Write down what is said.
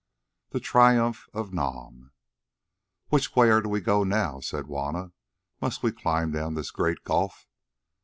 THE TRIUMPH OF NAM "Which way are we to go now?" said Juanna; "must we climb down this great gulf?"